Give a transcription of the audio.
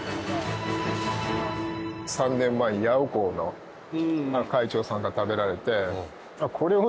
３年前にヤオコーの会長さんが食べられて。